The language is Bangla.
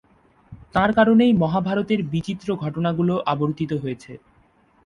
তাঁর কারণেই মহাভারতের বিচিত্র ঘটনাগুলো আবর্তিত হয়েছে।